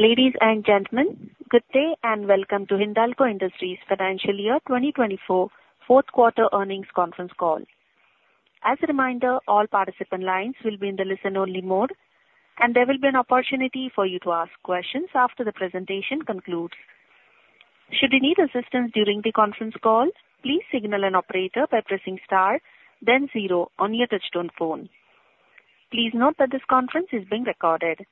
Ladies and gentlemen, good day, and welcome to Hindalco Industries Financial Year 2024, Q4 Earnings Conference Call. As a reminder, all participant lines will be in the listen-only mode, and there will be an opportunity for you to ask questions after the presentation concludes. Should you need assistance during the conference call, please signal an operator by pressing star, then zero on your touchtone phone. Please note that this conference is being recorded.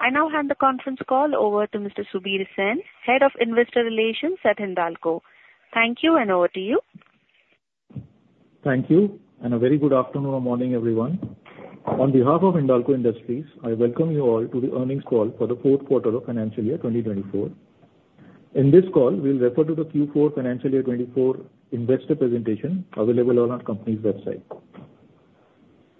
I now hand the conference call over to Mr. Subir Sen, Head of Investor Relations at Hindalco. Thank you, and over to you. Thank you, and a very good afternoon or morning, everyone. On behalf of Hindalco Industries, I welcome you all to the Earnings Call for Q4 of FY 2024. In this call, we'll refer to the Q4 financial year 2024 investor presentation available on our company's website.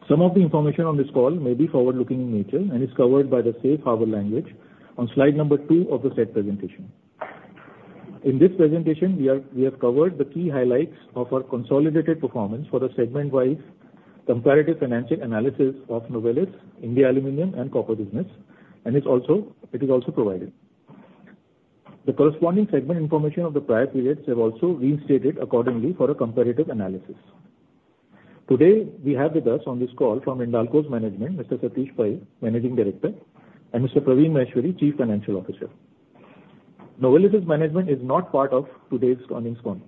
Some of the information on this call may be forward-looking in nature and is covered by the safe harbor language on slide number two of the said presentation. In this presentation, we have covered the key highlights of our consolidated performance for the segment-wise comparative financial analysis of Novelis, India Aluminium and Copper business, and it's also, it is also provided. The corresponding segment information of the prior periods have also restated accordingly for a comparative analysis. Today, we have with us on this call from Hindalco's management, Mr. Satish Pai, Managing Director, and Mr.Praveen Maheshwari, Chief Financial Officer. Novelis's management is not part of today's earnings call.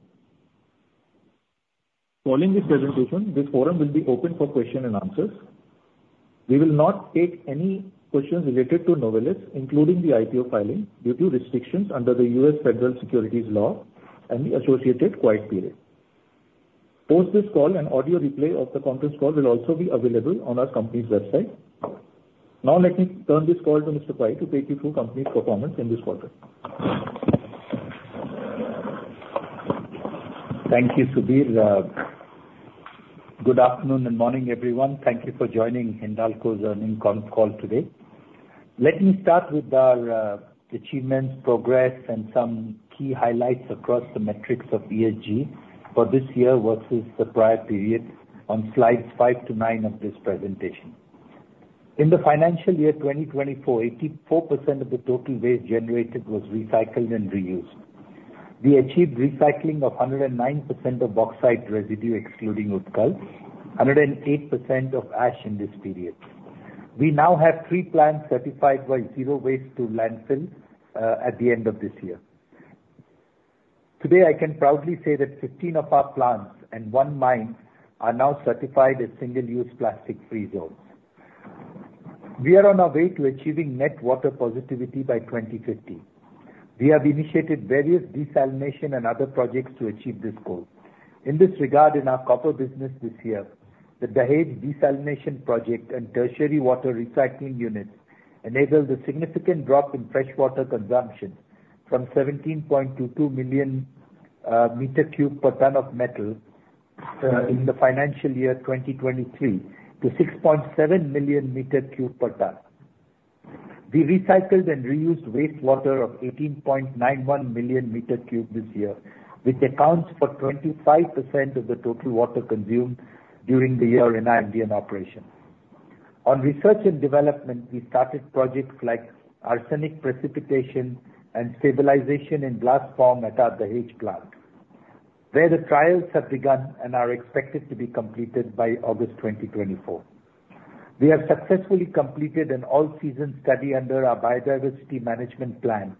Following this presentation, this forum will be open for question and answers. We will not take any questions related to Novelis, including the IPO filing, due to restrictions under the U.S. Federal Securities law and the associated quiet period. Post this call, an audio replay of the conference call will also be available on our company's website. Now, let me turn this call to Mr. Pai to take you through company's performance in this quarter. Thank you, Subir. Good afternoon and morning, everyone. Thank you for joining Hindalco's earnings conference call today. Let me start with our achievements, progress, and some key highlights across the metrics of ESG for this year versus the prior period on slides five to nine of this presentation. In the financial year 2024, 84% of the total waste generated was recycled and reused. We achieved recycling of 109% of bauxite residue, excluding Utkal, 108% of ash in this period. We now have three plants certified by zero waste to landfill at the end of this year. Today, I can proudly say that 15 of our plants and one mine are now certified as single-use plastic-free zones. We are on our way to achieving net water positivity by 2050. We have initiated various desalination and other projects to achieve this goal. In this regard, in our copper business this year, the Dahej desalination project and tertiary water recycling units enabled a significant drop in freshwater consumption from 17.22 million cubic meters per ton of metal in the financial year 2023 to 6.7 million cubic meters per ton. We recycled and reused wastewater of 18.91 million cubic meters this year, which accounts for 25% of the total water consumed during the year in our Indian operations. On research and development, we started projects like arsenic precipitation and stabilization in glass form at our Dahej plant, where the trials have begun and are expected to be completed by August 2024. We have successfully completed an all-season study under our biodiversity management plan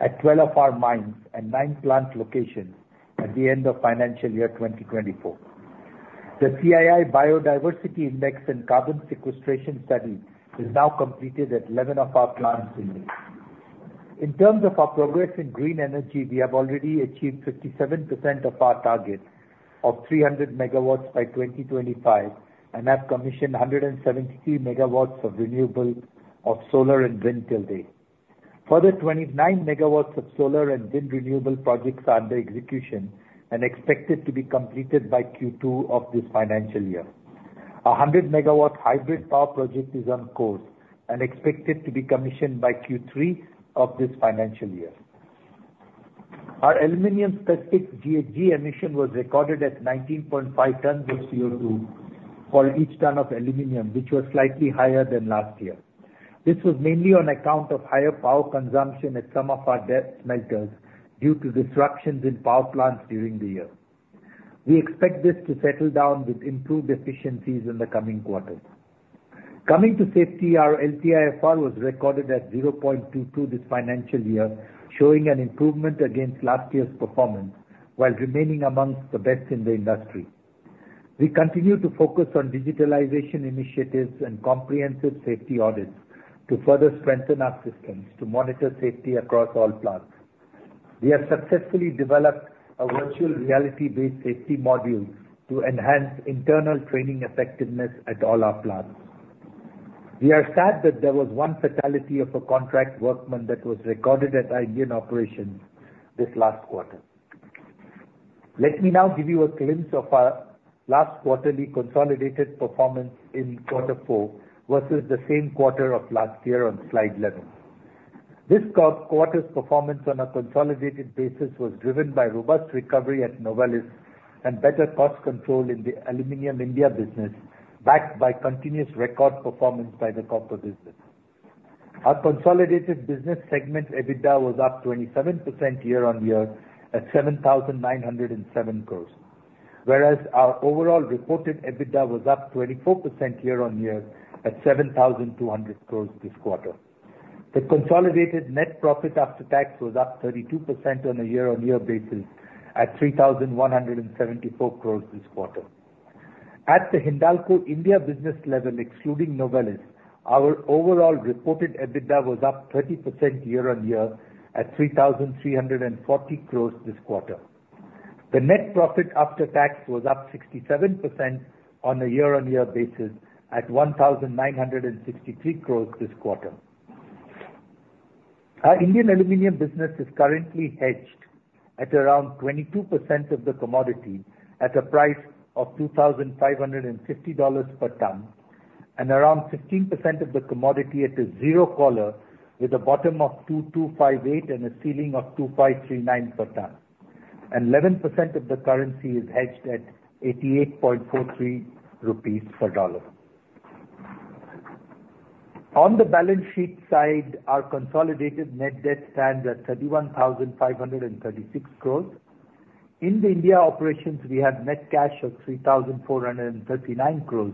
at 12 of our mines and nine plant locations at the end of financial year 2024. The CII Biodiversity Index and Carbon Sequestration Study is now completed at 11 of our plants in India. In terms of our progress in green energy, we have already achieved 57% of our target of 300MW by 2025 and have commissioned 173MW of renewable, of solar and wind till date. Further, 29MW of solar and wind renewable projects are under execution and expected to be completed by Q2 of this financial year. A 100MW hybrid power project is on course and expected to be commissioned by Q3 of this financial year. Our aluminum specific GHG emission was recorded at 19.5 tons of CO2 for each ton of aluminum, which was slightly higher than last year. This was mainly on account of higher power consumption at some of our debottlenecked smelters due to disruptions in power plants during the year. We expect this to settle down with improved efficiencies in the coming quarters. Coming to safety, our LTIFR was recorded at 0.22 this financial year, showing an improvement against last year's performance while remaining among the best in the industry. We continue to focus on digitalization initiatives and comprehensive safety audits to further strengthen our systems to monitor safety across all plants. We have successfully developed a virtual reality-based safety module to enhance internal training effectiveness at all our plants. We are sad that there was one fatality of a contract workman that was recorded at Indian operations this last quarter. Let me now give you a glimpse of our last quarterly consolidated performance in Q4 versus the same quarter of last year on slide 11. This quarter's performance on a consolidated basis was driven by robust recovery at Novelis and better cost control in the Aluminum India business, backed by continuous record performance by the copper business. Our consolidated business segment EBITDA was up 27% year-on-year at 7,907 crore, whereas our overall reported EBITDA was up 24% year-on-year at 7,200 crore this quarter. The consolidated net profit after tax was up 32% on a year-on-year basis at 3,174 crore this quarter. At the Hindalco India business level, excluding Novelis, our overall reported EBITDA was up 30% year-on-year at 3,340 crore this quarter. The net profit after tax was up 67% on a year-on-year basis at 1,963 crore this quarter. Our Indian aluminum business is currently hedged at around 22% of the commodity at a price of $2,550 per ton and around 15% of the commodity at a zero collar, with a bottom of 2,258 and a ceiling of 2,539 per ton. Eleven percent of the currency is hedged at 88.43 rupees per USD. On the balance sheet side, our consolidated net debt stands at 31,536 crore. In the India operations, we have net cash of 3,439 crore,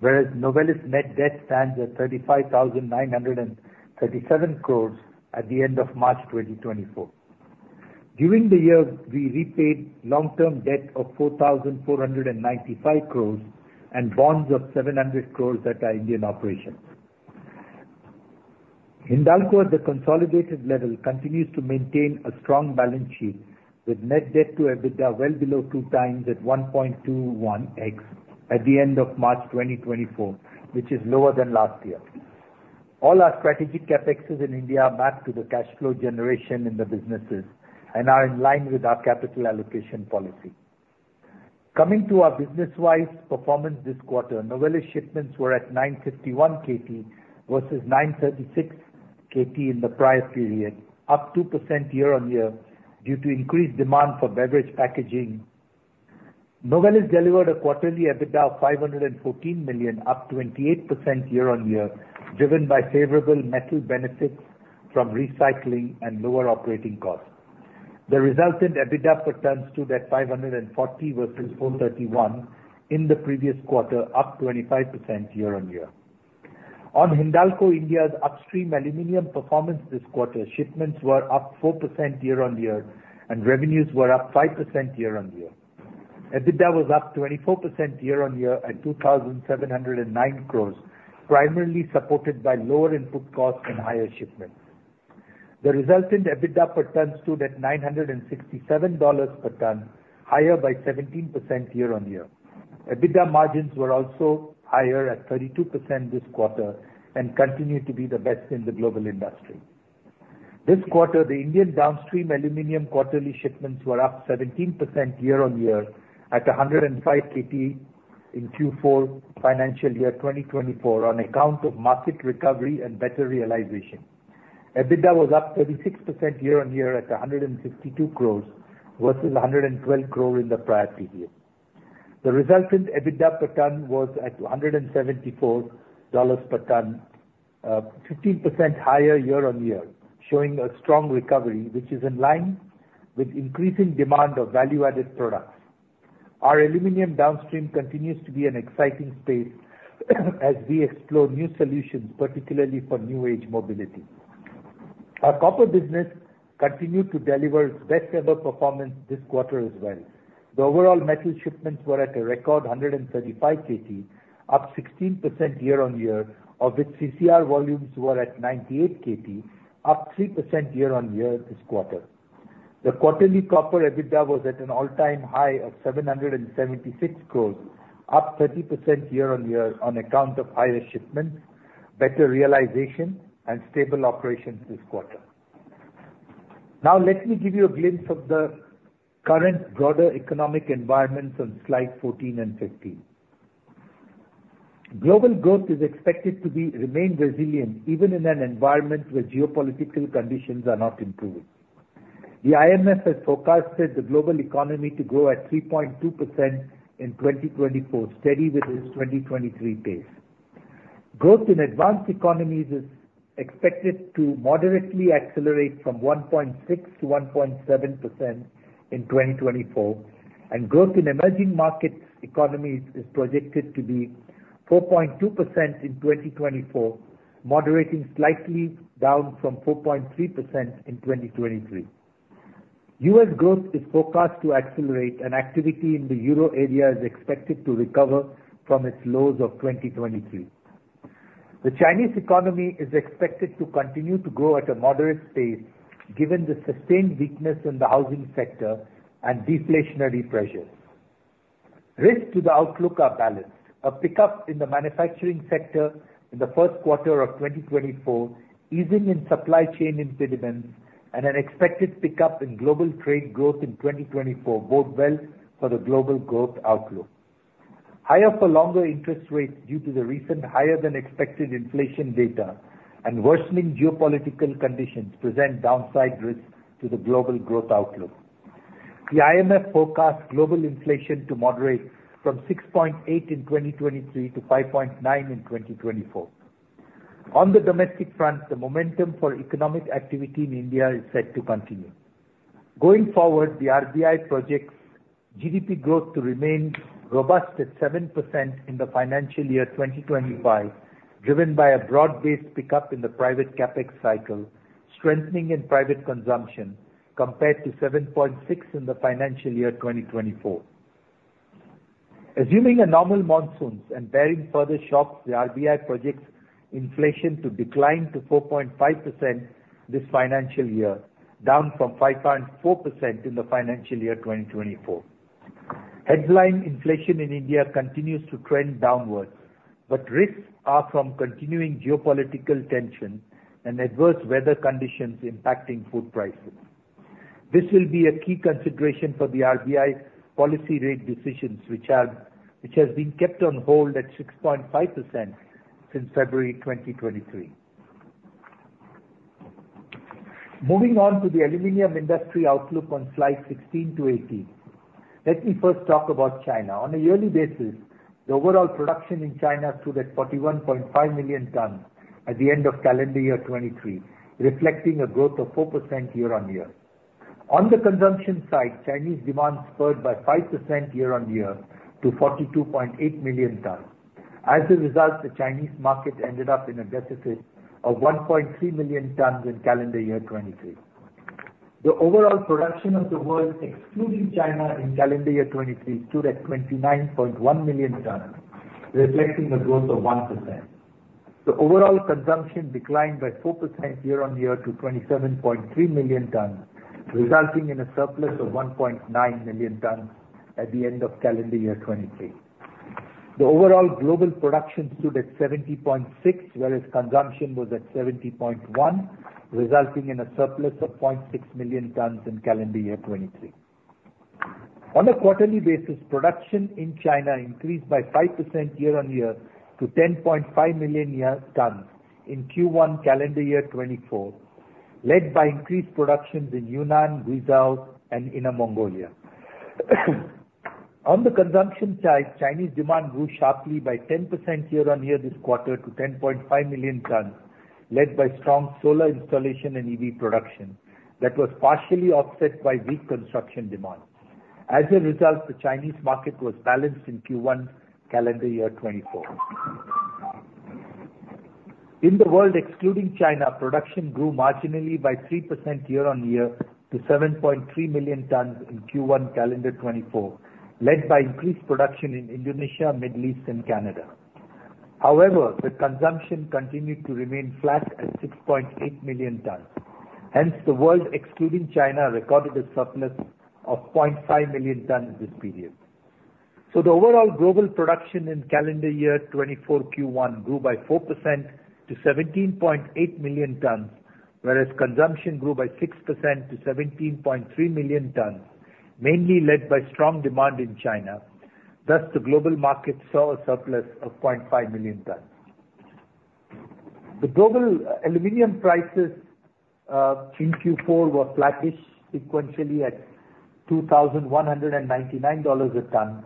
whereas Novelis net debt stands at 35,937 crore at the end of March 2024. During the year, we repaid long-term debt of 4,495 crore and bonds of 700 crore at our Indian operations. Hindalco, at the consolidated level, continues to maintain a strong balance sheet, with net debt to EBITDA well below 2x at 1.21x at the end of March 2024, which is lower than last year. All our strategic CapEx is in India are backed to the cash flow generation in the businesses and are in line with our capital allocation policy. Coming to our business-wise performance this quarter, Novelis shipments were at 951KT versus 936KT in the prior period, up 2% year-on-year due to increased demand for beverage packaging. Novelis delivered a quarterly EBITDA of $514 million, up 28% year-on-year, driven by favorable metal benefits from recycling and lower operating costs. The resultant EBITDA per ton stood at $540 versus 431 in the previous quarter, up 25% year-on-year. On Hindalco, India's upstream aluminum performance this quarter, shipments were up 4% year-on-year and revenues were up 5% year-on-year. EBITDA was up 24% year-on-year at 2,709 crore, primarily supported by lower input costs and higher shipments. The resultant EBITDA per ton stood at $967 per ton, higher by 17% year-over-year. EBITDA margins were also higher at 32% this quarter and continue to be the best in the global industry. This quarter, the Indian downstream aluminum quarterly shipments were up 17% year-over-year at 105KT in Q4, financial year 2024, on account of market recovery and better realization. EBITDA was up 36% year-over-year at 162 crore, versus 112 crore in the prior period. The resultant EBITDA per ton was at $274 per ton, 15% higher year-over-year, showing a strong recovery, which is in line with increasing demand of value-added products. Our aluminum downstream continues to be an exciting space, as we explore new solutions, particularly for new age mobility. Our copper business continued to deliver its best ever performance this quarter as well. The overall metal shipments were at a record 135KT, up 16% year-on-year, of which CCR volumes were at 98KT, up 3% year-on-year this quarter. The quarterly copper EBITDA was at an all-time high of 776 crore, up 30% year-on-year on account of higher shipments, better realization, and stable operations this quarter. Now, let me give you a glimpse of the current broader economic environment on slides 14 and 15. Global growth is expected to remain resilient, even in an environment where geopolitical conditions are not improving. The IMF has forecasted the global economy to grow at 3.2% in 2024, steady with its 2023 pace. Growth in advanced economies is expected to moderately accelerate from 1.6% to 1.7% in 2024, and growth in emerging market economies is projected to be 4.2% in 2024, moderating slightly down from 4.3% in 2023. U.S. growth is forecast to accelerate, and activity in the Euro area is expected to recover from its lows of 2023. The Chinese economy is expected to continue to grow at a moderate pace, given the sustained weakness in the housing sector and deflationary pressures. Risks to the outlook are balanced. A pickup in the manufacturing sector in the first quarter of 2024, easing in supply chain impediments, and an expected pickup in global trade growth in 2024 bode well for the global growth outlook. Higher for longer interest rates due to the recent higher-than-expected inflation data and worsening geopolitical conditions present downside risks to the global growth outlook. The IMF forecasts global inflation to moderate from 6.8 in 2023 to 5.9 in 2024. On the domestic front, the momentum for economic activity in India is set to continue. Going forward, the RBI projects GDP growth to remain robust at 7% in the financial year 2025, driven by a broad-based pickup in the private CapEx cycle, strengthening in private consumption, compared to 7.6 in the financial year 2024. Assuming a normal monsoons and barring further shocks, the RBI projects inflation to decline to 4.5% this financial year, down from 5.4% in the financial year 2024. Headline inflation in India continues to trend downwards, but risks are from continuing geopolitical tension and adverse weather conditions impacting food prices. This will be a key consideration for the RBI policy rate decisions, which has been kept on hold at 6.5% since February 2023. Moving on to the aluminum industry outlook on slides 16-18. Let me first talk about China. On a yearly basis, the overall production in China stood at 41.5 million tons at the end of calendar year 2023, reflecting a growth of 4% year-on-year. On the consumption side, Chinese demand spurred by 5% year-on-year to 42.8 million tons. As a result, the Chinese market ended up in a deficit of 1.3 million tons in calendar year 2023. The overall production of the world, excluding China in calendar year 2023, stood at 29.1 million tons, reflecting a growth of 1%. The overall consumption declined by 4% year-on-year to 27.3 million tons, resulting in a surplus of 1.9 million tons at the end of calendar year 2023. The overall global production stood at 70.6, whereas consumption was at 70.1, resulting in a surplus of 0.6 million tons in calendar year 2023. On a quarterly basis, production in China increased by 5% year-on-year to 10.5 million tons in Q1 calendar year 2024, led by increased productions in Yunnan, Guizhou, and Inner Mongolia. On the consumption side, Chinese demand grew sharply by 10% year-on-year this quarter to 10.5 million tons, led by strong solar installation and EV production that was partially offset by weak construction demand. As a result, the Chinese market was balanced in Q1 calendar year 2024. In the world, excluding China, production grew marginally by 3% year-on-year to 7.3 million tons in Q1 calendar 2024, led by increased production in Indonesia, Middle East, and Canada. However, the consumption continued to remain flat at 6.8 million tons. Hence, the world, excluding China, recorded a surplus of 0.5 million tons this period. So the overall global production in calendar year 2024 Q1 grew by 4% to 17.8 million tons, whereas consumption grew by 6% to 17.3 million tons, mainly led by strong demand in China. Thus, the global market saw a surplus of 0.5 million tons. The global aluminum prices in Q4 were flattish sequentially at $2,199 a ton.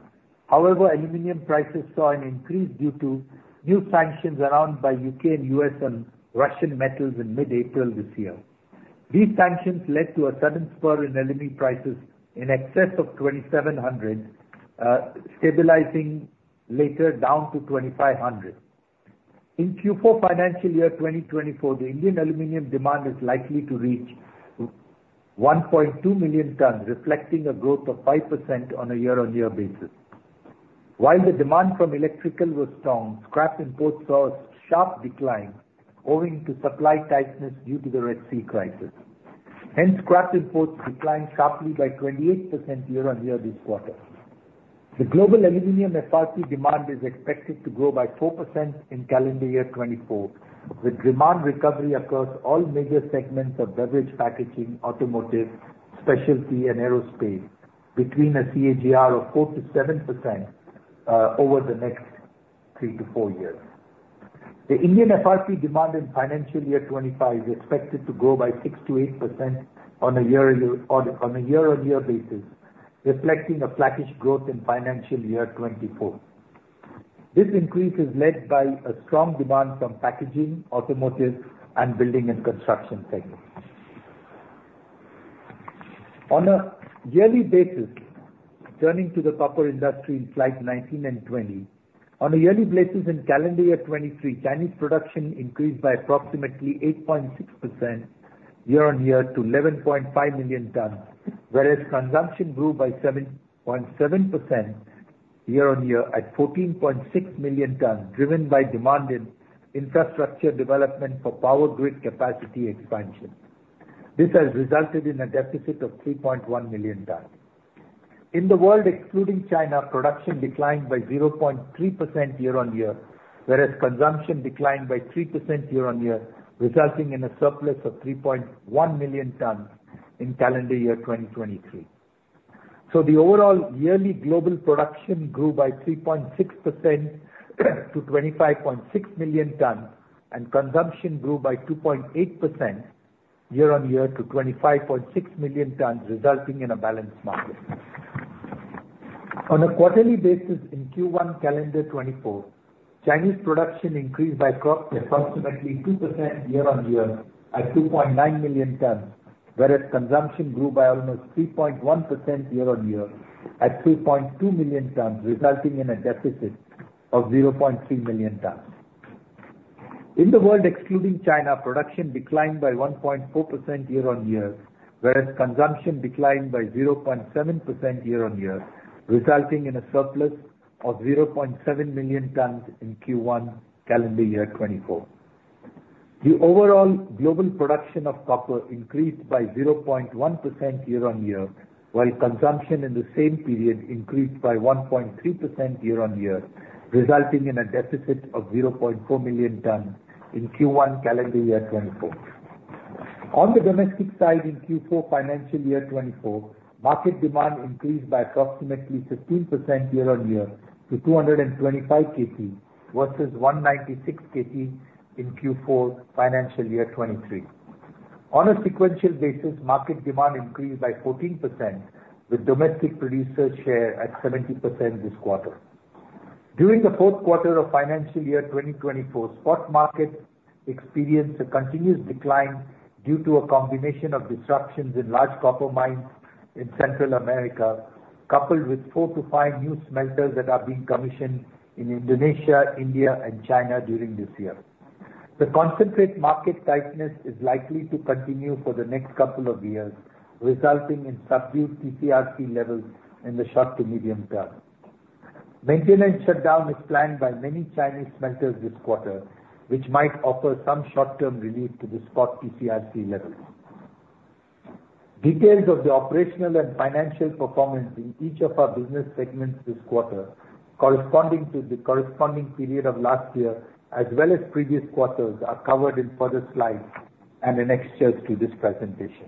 However, aluminum prices saw an increase due to new sanctions announced by U.K. and U.S. on Russian metals in mid-April this year. These sanctions led to a sudden spur in aluminum prices in excess of 2,700, stabilizing later down to 2,500. In Q4 financial year 2024, the Indian aluminum demand is likely to reach 1.2 million tons, reflecting a growth of 5% on a year-on-year basis. While the demand from electrical was strong, scrap imports saw a sharp decline owing to supply tightness due to the Red Sea crisis. Hence, scrap imports declined sharply by 28% year-on-year this quarter. The global aluminum FRP demand is expected to grow by 4% in calendar year 2024, with demand recovery across all major segments of beverage packaging, automotive, specialty, and aerospace between a CAGR of 4%-7% over the next three to four years. The Indian FRP demand in financial year 2025 is expected to grow by 6%-8% on a year-on-year basis, reflecting a flattish growth in financial year 2024. This increase is led by a strong demand from packaging, automotive, and building and construction segments. On a yearly basis, turning to the copper industry in slide 19 and 20. On a yearly basis, in calendar year 2023, Chinese production increased by approximately 8.6% year-on-year to 11.5 million tons, whereas consumption grew by 7.7% year-on-year at 14.6 million tons, driven by demand in infrastructure development for power grid capacity expansion. This has resulted in a deficit of 3.1 million tons. In the world, excluding China, production declined by 0.3% year-on-year, whereas consumption declined by 3% year-on-year, resulting in a surplus of 3.1 million tons in calendar year 2023. So the overall yearly global production grew by 3.6% to 25.6 million tons, and consumption grew by 2.8% year-on-year to 25.6 million tons, resulting in a balanced market. On a quarterly basis, in Q1 calendar 2024, Chinese production increased by approximately 2% year-on-year at 2.9 million tons, whereas consumption grew by almost 3.1% year-on-year at 3.2 million tons, resulting in a deficit of 0.3 million tons. In the world, excluding China, production declined by 1.4% year-on-year, whereas consumption declined by 0.7% year-on-year, resulting in a surplus of 0.7 million tons in Q1, calendar year 2024. The overall global production of copper increased by 0.1% year-on-year, while consumption in the same period increased by 1.3% year-on-year, resulting in a deficit of 0.4 million tons in Q1, calendar year 2024. On the domestic side, in Q4, financial year 2024, market demand increased by approximately 15% year on year to 225KT versus 196KT in Q4, financial year 2023. On a sequential basis, market demand increased by 14%, with domestic producer share at 70% this quarter. During the Q4 of financial year 2024, spot market experienced a continuous decline due to a combination of disruptions in large copper mines in Central America, coupled with four to five new smelters that are being commissioned in Indonesia, India and China during this year. The concentrate market tightness is likely to continue for the next couple of years, resulting in subdued TCRC levels in the short to medium term. Maintenance shutdown is planned by many Chinese smelters this quarter, which might offer some short-term relief to the spot TCRC levels. Details of the operational and financial performance in each of our business segments this quarter corresponding to the corresponding period of last year, as well as previous quarters, are covered in further slides and annexures to this presentation.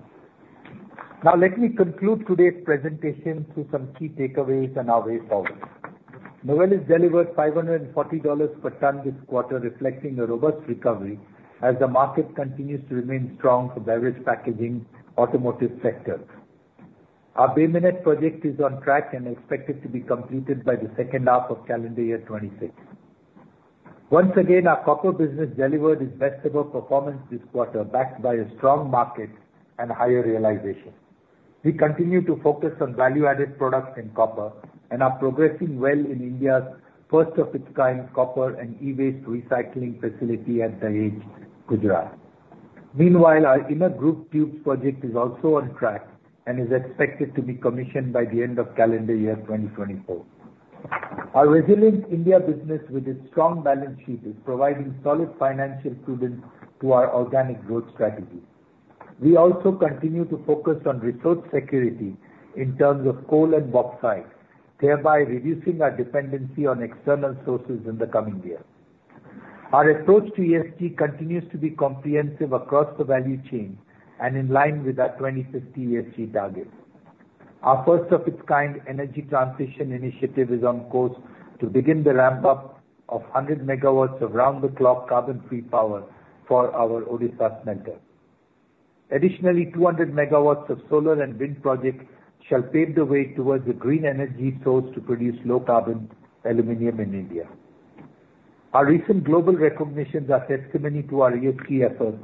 Now, let me conclude today's presentation through some key takeaways and our way forward. Novelis delivered $540 per ton this quarter, reflecting a robust recovery as the market continues to remain strong for beverage packaging, automotive sectors. Our Bay Minette project is on track and expected to be completed by the second half of calendar year 2026. Once again, our copper business delivered its best-ever performance this quarter, backed by a strong market and higher realization. We continue to focus on value-added products in copper and are progressing well in India's first of its kind copper and e-waste recycling facility at Dahej, Gujarat. Meanwhile, our Inner Groove Tubes project is also on track and is expected to be commissioned by the end of calendar year 2024. Our resilient India business, with its strong balance sheet, is providing solid financial prudence to our organic growth strategy. We also continue to focus on resource security in terms of coal and bauxite, thereby reducing our dependency on external sources in the coming years. Our approach to ESG continues to be comprehensive across the value chain and in line with our 2050 ESG targets. Our first of its kind energy transition initiative is on course to begin the ramp-up of 100MW of round-the-clock carbon-free power for our Odisha smelter. Additionally, 200MW of solar and wind projects shall pave the way towards a green energy source to produce low carbon aluminum in India. Our recent global recognitions are testimony to our ESG efforts,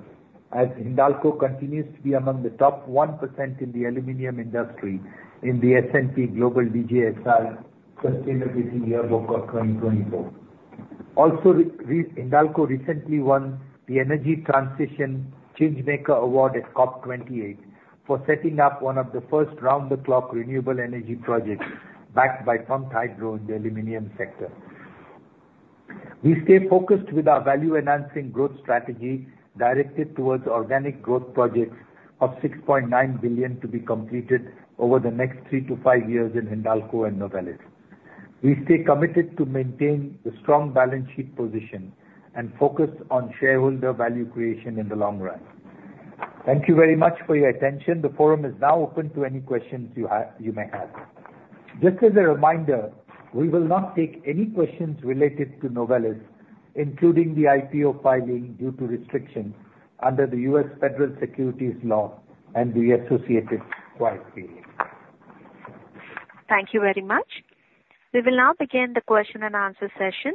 as Hindalco continues to be among the top 1% in the aluminum industry in the S&P Global DJSI Sustainability Yearbook of 2024. Also, Hindalco recently won the Energy Transition Changemaker Award at COP 28 for setting up one of the first round-the-clock renewable energy projects backed by pumped hydro in the aluminum sector. We stay focused with our value-enhancing growth strategy, directed towards organic growth projects of $6.9 billion to be completed over the next three to five years in Hindalco and Novelis. We stay committed to maintain the strong balance sheet position and focus on shareholder value creation in the long run. Thank you very much for your attention. The forum is now open to any questions you may have. Just as a reminder, we will not take any questions related to Novelis, including the IPO filing, due to restrictions under the U.S. Federal Securities law and the associated quiet period. Thank you very much. We will now begin the question-and-answer session.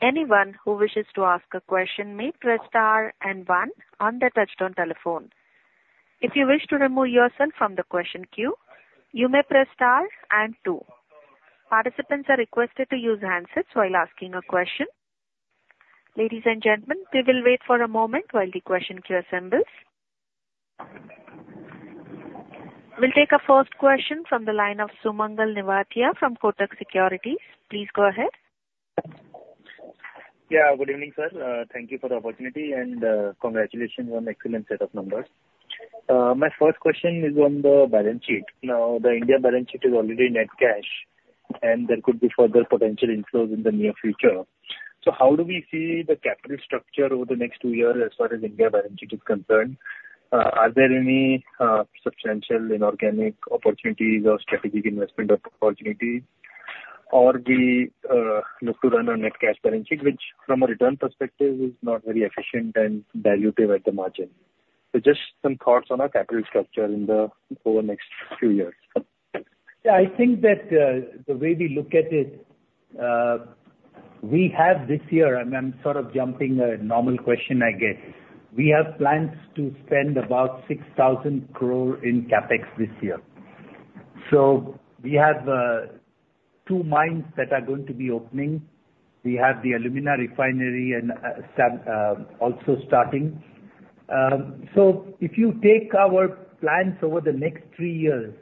Anyone who wishes to ask a question may press star and one on their touchtone telephone. If you wish to remove yourself from the question queue, you may press star and two. Participants are requested to use handsets while asking a question. Ladies and gentlemen, we will wait for a moment while the question queue assembles. We'll take our first question from the line of Sumangal Nevatia from Kotak Securities. Please go ahead. Yeah, good evening, sir. Thank you for the opportunity, and, congratulations on excellent set of numbers. My first question is on the balance sheet. Now, the India balance sheet is already net cash, and there could be further potential inflows in the near future. So how do we see the capital structure over the next two years as far as India balance sheet is concerned? Are there any, substantial inorganic opportunities or strategic investment opportunities?... or we, look to run our net cash balance sheet, which from a return perspective is not very efficient and dilutive at the margin. So just some thoughts on our capital structure in the, over the next few years. Yeah, I think that, the way we look at it, we have this year, and I'm sort of jumping a normal question I get, we have plans to spend about 6,000 crore in CapEx this year. So we have two mines that are going to be opening. We have the alumina refinery and also starting. So if you take our plans over the next three years,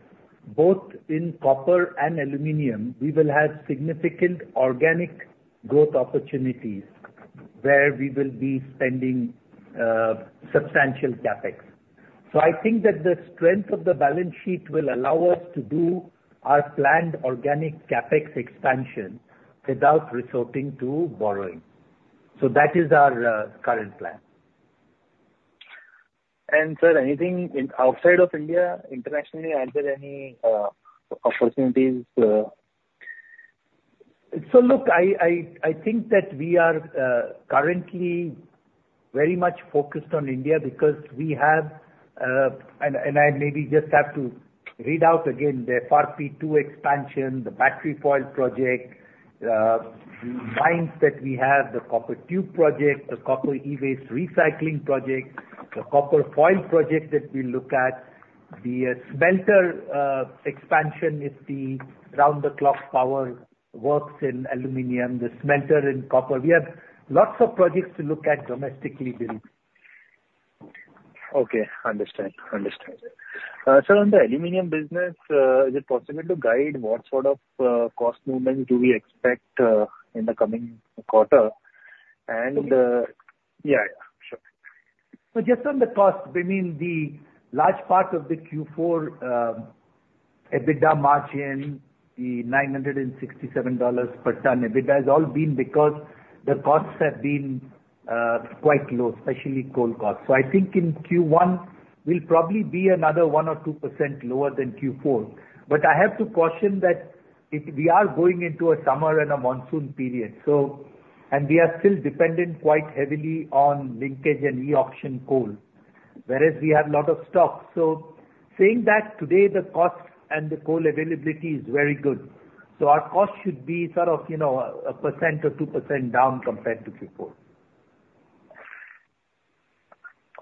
both in copper and aluminum, we will have significant organic growth opportunities, where we will be spending substantial CapEx. So I think that the strength of the balance sheet will allow us to do our planned organic CapEx expansion without resorting to borrowing. So that is our current plan. Sir, anything outside of India, internationally, are there any opportunities? So look, I think that we are currently very much focused on India because we have, and I maybe just have to read out again, the FRP 2 expansion, the battery foil project, the mines that we have, the copper tube project, the copper e-waste recycling project, the copper foil project that we look at, the smelter expansion, if the round-the-clock power works in aluminum, the smelter in copper. We have lots of projects to look at domestically, Vinny. Okay, understand. Understand. Sir, on the aluminum business, is it possible to guide what sort of cost movement do we expect in the coming quarter? And, Okay. Yeah, yeah, sure. So just on the cost, we mean the large part of Q4 EBITDA margin, the $967 per ton EBITDA, has all been because the costs have been quite low, especially coal costs. So I think in Q1, we'll probably be another 1%-2% lower than Q4. But I have to caution that if we are going into a summer and a monsoon period, so... and we are still dependent quite heavily on linkage and e-auction coal, whereas we have a lot of stock. So saying that, today, the cost and the coal availability is very good, so our cost should be sort of, you know, 1%-2% down compared to Q4.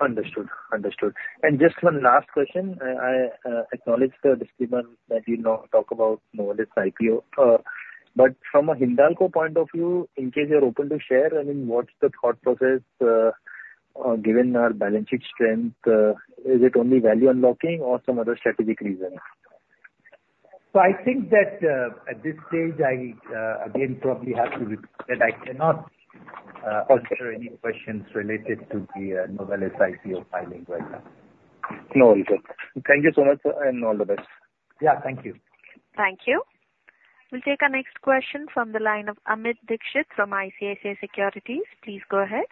Understood. Understood. And just one last question. I, I, acknowledge the disclaimer that you not talk about Novelis IPO. But from a Hindalco point of view, in case you're open to share, I mean, what's the thought process, given our balance sheet strength, is it only value unlocking or some other strategic reasons? I think that at this stage, I again probably have to repeat that I cannot answer any questions related to the Novelis IPO filing right now. No, okay. Thank you so much, sir, and all the best. Yeah, thank you. Thank you. We'll take our next question from the line of Amit Dixit from ICICI Securities. Please go ahead.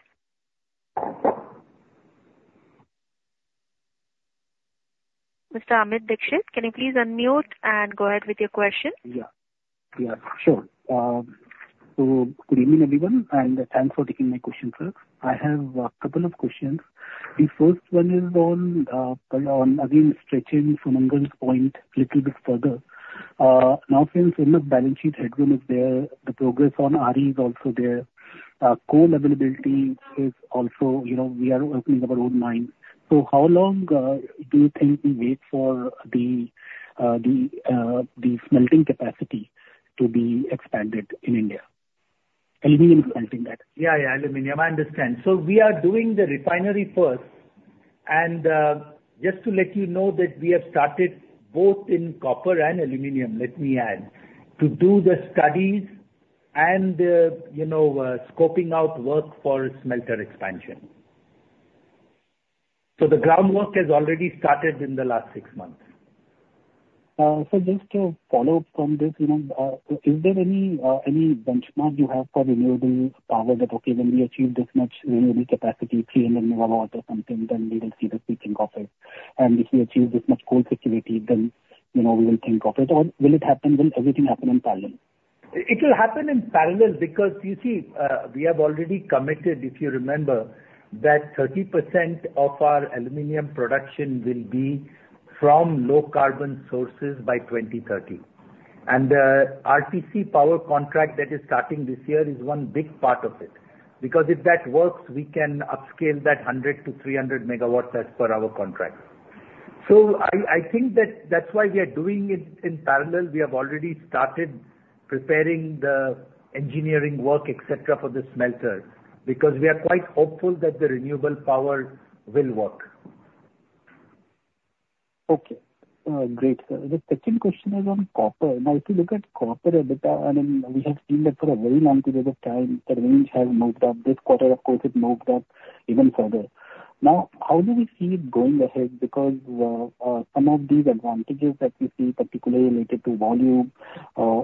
Mr. Amit Dixit, can you please unmute and go ahead with your question? Yeah. Yeah, sure. So good evening, everyone, and thanks for taking my question, sir. I have a couple of questions. The first one is on again, stretching Soumen's point little bit further. Now, since enough balance sheet headroom is there, the progress on RE is also there, coal availability is also, you know, we are opening our own mine. So how long do you think we wait for the smelting capacity to be expanded in India? Aluminum smelting that- Yeah, yeah, aluminum. I understand. So we are doing the refinery first, and just to let you know that we have started both in copper and aluminum, let me add, to do the studies and the, you know, scoping out work for smelter expansion. So the groundwork has already started in the last six months. So just to follow up from this, you know, is there any benchmark you have for renewable power that, okay, when we achieve this much renewable capacity, 300MW or something, then we will see the speaking of it? And if we achieve this much coal security, then, you know, we will think of it, or will it happen, will everything happen in parallel? It will happen in parallel because you see, we have already committed, if you remember, that 30% of our aluminum production will be from low carbon sources by 2030. And, RTC power contract that is starting this year is one big part of it, because if that works, we can upscale that 100-300MW as per our contract. So I, I think that that's why we are doing it in parallel. We have already started preparing the engineering work, et cetera, for the smelter, because we are quite hopeful that the renewable power will work. Okay. Great, sir. The second question is on copper. Now, if you look at copper EBITDA, I mean, we have seen that for a very long period of time, that things have moved up. This quarter, of course, it moved up even further. Now, how do we see it going ahead? Because some of these advantages that we see, particularly related to volume,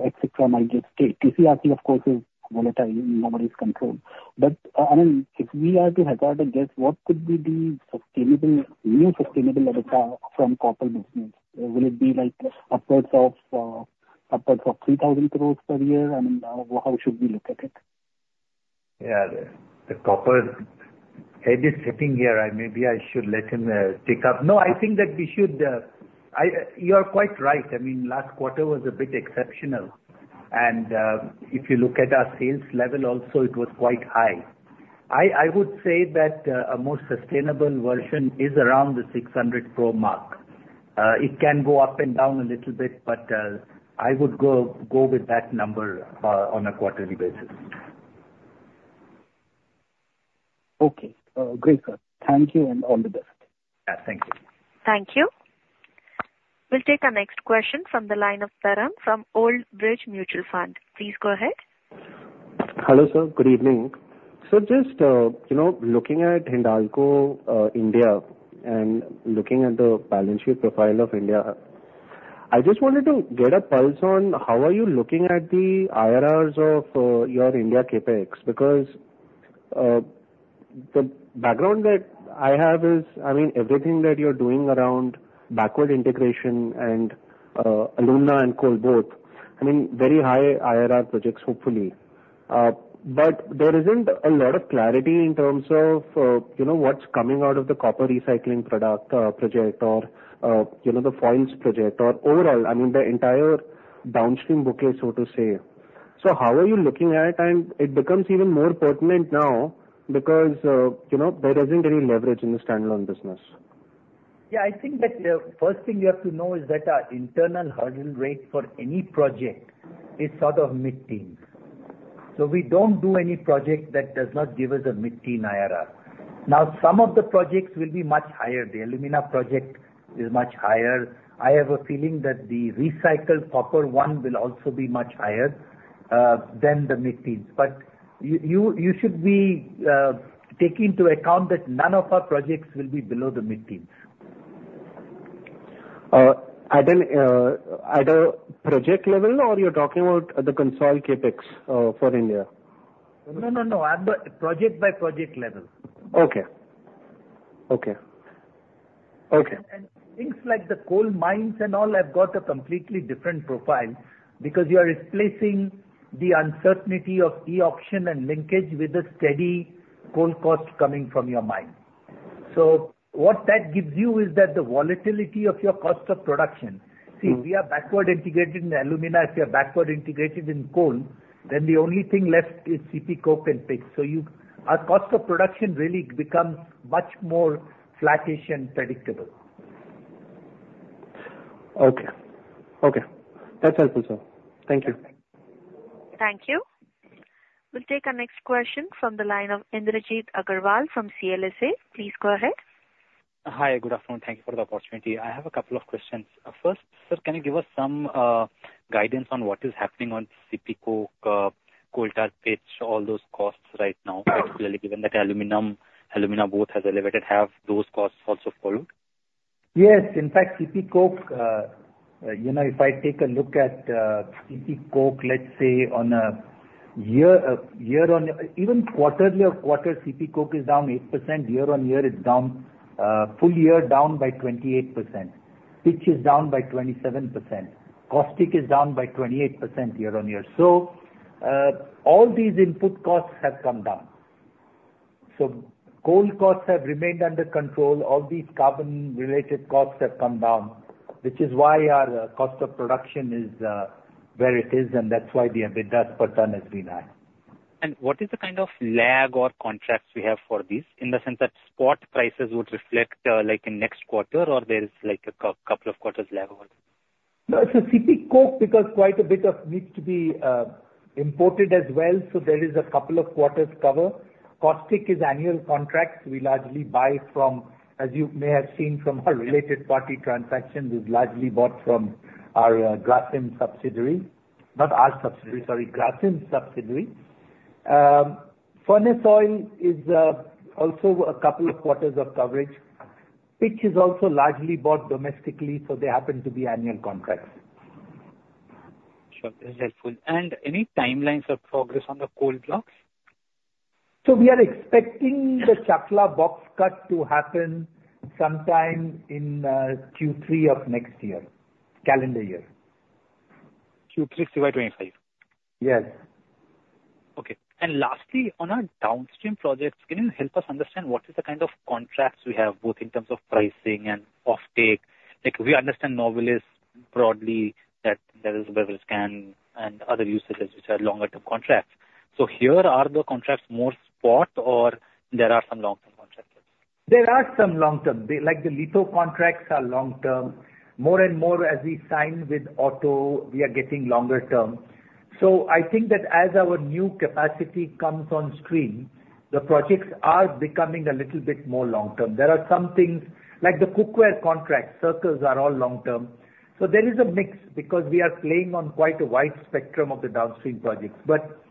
et cetera, might just stay. TCRC, of course, is volatile, in nobody's control. But, I mean, if we are to hazard a guess, what could be the sustainable, new sustainable EBITDA from copper business? Will it be like upwards of 3,000 crore per year? I mean, how should we look at it?... Yeah, the copper head is sitting here, I maybe I should let him take up. No, I think that we should, I, you're quite right. I mean, last quarter was a bit exceptional, and if you look at our sales level also, it was quite high. I would say that a more sustainable version is around the 600 crore mark. It can go up and down a little bit, but I would go with that number on a quarterly basis. Okay, great, sir. Thank you, and all the best. Yeah. Thank you. Thank you. We'll take our next question from the line of Tarang from Old Bridge Capital Management. Please go ahead. Hello, sir, good evening. So just, you know, looking at Hindalco, India, and looking at the balance sheet profile of India, I just wanted to get a pulse on how are you looking at the IRRs of, your India CapEx? Because, the background that I have is, I mean, everything that you're doing around backward integration and, alumina and coal both, I mean, very high IRR projects, hopefully. But there isn't a lot of clarity in terms of, you know, what's coming out of the copper recycling product, project or, you know, the foils project or overall, I mean, the entire downstream booklet, so to say. So how are you looking at, and it becomes even more pertinent now because, you know, there isn't any leverage in the standalone business. Yeah, I think that the first thing you have to know is that our internal hurdle rate for any project is sort of mid-teens. So we don't do any project that does not give us a mid-teen IRR. Now, some of the projects will be much higher. The alumina project is much higher. I have a feeling that the recycled copper one will also be much higher than the mid-teens. But you should take into account that none of our projects will be below the mid-teens. At a project level, or you're talking about the consolidated CapEx for India? No, no, no. At the project-by-project level. Okay. Okay. Okay. Things like the coal mines and all have got a completely different profile, because you are replacing the uncertainty of e-auction and linkage with a steady coal cost coming from your mine. What that gives you is that the volatility of your cost of production. Mm. See, we are backward integrated in alumina. If you are backward integrated in coal, then the only thing left is CP coke and pitch, so you, our cost of production really becomes much more flattish and predictable. Okay. Okay. That's helpful, sir. Thank you. Thank you. We'll take our next question from the line of Indrajit Agarwal from CLSA. Please go ahead. Hi, good afternoon. Thank you for the opportunity. I have a couple of questions. First, sir, can you give us some guidance on what is happening on CP coke, coal tar pitch, all those costs right now, particularly given that aluminum, alumina both has elevated, have those costs also followed? Yes. In fact, CP coke, you know, if I take a look at CP coke, let's say on a year-on-year, even quarter-over-quarter, CP coke is down 8%. Year-on-year, it's down, full year, down by 28%. Pitch is down by 27%. Caustic is down by 28% year-on-year. So, all these input costs have come down. So coal costs have remained under control. All these carbon-related costs have come down, which is why our cost of production is where it is, and that's why the EBITDA per ton has been high. What is the kind of lag or contracts we have for this, in the sense that spot prices would reflect, like in next quarter, or there is like a couple of quarters lag over? No, so CP coke, because quite a bit of needs to be imported as well, so there is a couple of quarters cover. Caustic is annual contracts we largely buy from, as you may have seen from our related party transactions, is largely bought from our, Grasim subsidiary. Not our subsidiary, sorry, Grasim subsidiary. Furnace oil is also a couple of quarters of coverage. Pitch is also largely bought domestically, so they happen to be annual contracts. Sure. That's helpful. And any timelines or progress on the coal blocks? We are expecting the Chakla box cut to happen sometime in Q3 of next year, calendar year. Q3, FY2025? Yes. Okay. And lastly, on our downstream projects, can you help us understand what is the kind of contracts we have, both in terms of pricing and offtake? Like, we understand Novelis broadly, that there is beverage can and other usages which are longer term contracts. So here, are the contracts more spot or there are some long-term contracts as well? There are some long-term. The, like, the litho contracts are long term. More and more as we sign with auto, we are getting longer term. So I think that as our new capacity comes on stream, the projects are becoming a little bit more long term. There are some things, like the cookware contract, circles are all long term. So there is a mix, because we are playing on quite a wide spectrum of the downstream projects. But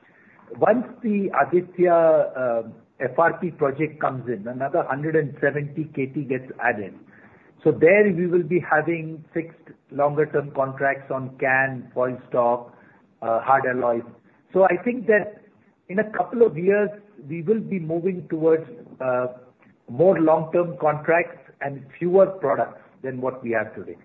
once the Aditya FRP project comes in, another 170KT gets added. So there, we will be having fixed longer term contracts on can, foil stock, hard alloy. So I think that in a couple of years, we will be moving towards more long-term contracts and fewer products than what we have today....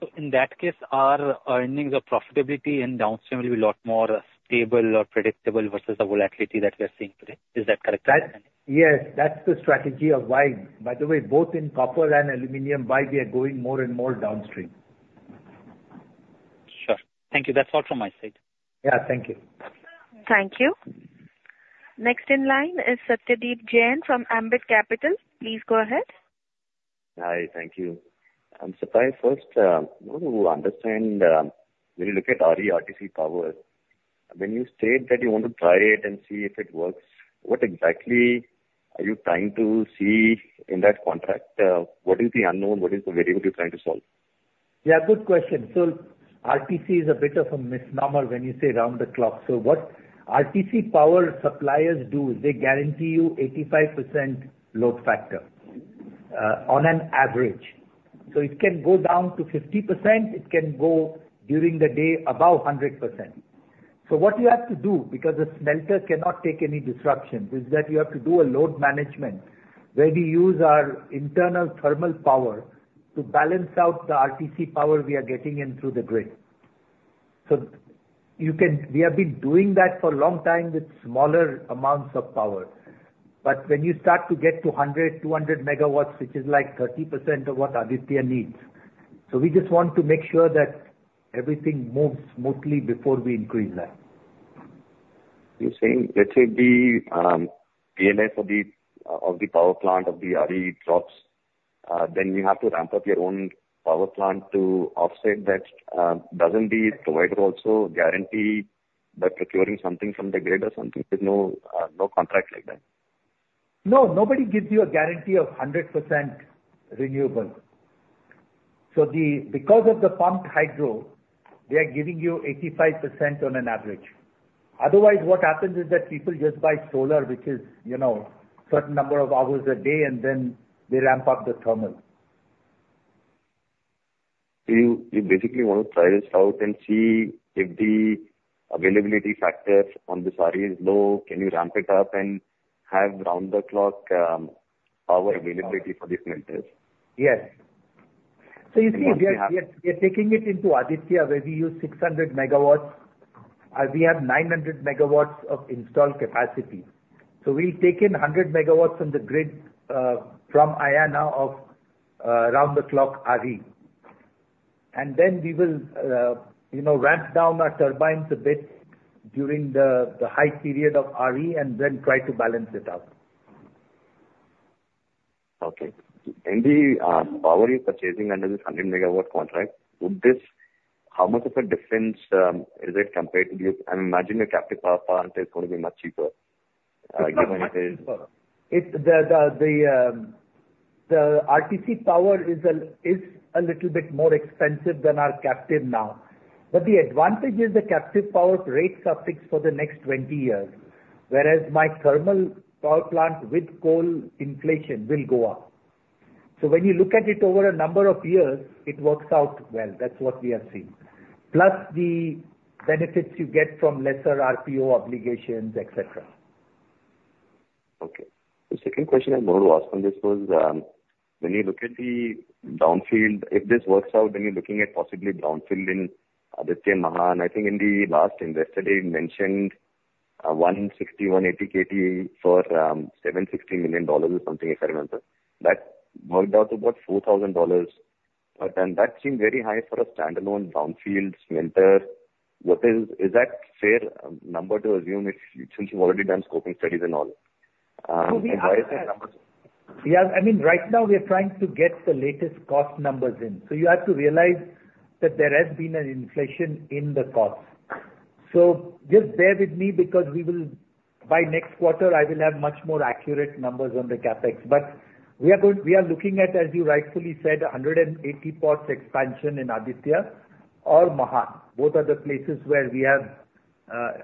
So in that case, our earnings or profitability in downstream will be a lot more stable or predictable versus the volatility that we are seeing today. Is that correct? That, yes, that's the strategy of why, by the way, both in copper and aluminum, why we are going more and more downstream. Sure. Thank you. That's all from my side. Yeah, thank you. Thank you. Next in line is Satyadeep Jain from Ambit Capital. Please go ahead. Hi, thank you. Satya, first, I want to understand, when you look at RE RTC power, when you state that you want to try it and see if it works, what exactly are you trying to see in that contract? What is the unknown? What is the variable you're trying to solve? Yeah, good question. So RTC is a bit of a misnomer when you say round the clock. So what RTC power suppliers do is they guarantee you 85% load factor on an average. So it can go down to 50%, it can go during the day above 100%. So what you have to do, because the smelter cannot take any disruption, is that you have to do a load management where we use our internal thermal power to balance out the RTC power we are getting in through the grid. So we have been doing that for a long time with smaller amounts of power. But when you start to get to 100, 200MW, which is like 30% of what Aditya needs. So we just want to make sure that everything moves smoothly before we increase that. You're saying, let's say the PNA for the, of the power plant, of the RE drops, then you have to ramp up your own power plant to offset that. Doesn't the provider also guarantee by procuring something from the grid or something? There's no, no contract like that? No, nobody gives you a guarantee of 100% renewable. So the, because of the pumped hydro, they are giving you 85% on an average. Otherwise, what happens is that people just buy solar, which is, you know, certain number of hours a day, and then they ramp up the thermal. So you basically want to try this out and see if the availability factor on the solar is low, can you ramp it up and have round-the-clock power availability for the smelters? Yes. So you see- We are happy. We are, we are taking it into Aditya, where we use 600MW, we have 900MW of installed capacity. So we've taken 100MW from the grid, from Ayana of, round-the-clock RE. And then we will, you know, ramp down our turbines a bit during the high period of RE, and then try to balance it out. Okay. In the power you're purchasing under this 100MW contract, would this... How much of a difference is it compared to the, I imagine the captive power plant is going to be much cheaper, given it is- The RTC power is a little bit more expensive than our captive now. But the advantage is the captive power rates are fixed for the next 20 years, whereas my thermal power plant with coal inflation will go up. So when you look at it over a number of years, it works out well. That's what we are seeing. Plus, the benefits you get from lesser RPO obligations, et cetera. Okay. The second question I wanted to ask on this was, when you look at the brownfield, if this works out, when you're looking at possibly brownfield in Aditya Mahan, I think in the last investor day, you mentioned, 160-180KT for $760 million or something, if I remember. That worked out to about $4,000, then that seemed very high for a standalone brownfield smelter. What is, is that fair number to assume it, since you've already done scoping studies and all? And why is that number- Yeah, I mean, right now we are trying to get the latest cost numbers in. So you have to realize that there has been an inflation in the cost. So just bear with me, because we will, by next quarter, I will have much more accurate numbers on the CapEx. But we are going, we are looking at, as you rightfully said, 180 pots expansion in Aditya or Mahan. Both are the places where we have,